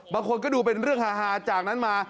บางคนก็ดูเป็นเรื่องฮาจากนั้นมา